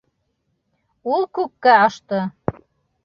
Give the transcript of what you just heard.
Ул күккә ашты.